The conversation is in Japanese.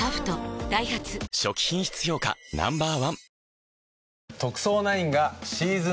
ダイハツ初期品質評価Ｎｏ．１